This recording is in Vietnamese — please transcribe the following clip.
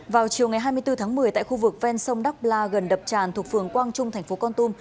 vào chiều ngày hai mươi bốn tháng một mươi tại khu vực ven sông đắk bla gần đập tràn thuộc phường quang trung thành phố con tum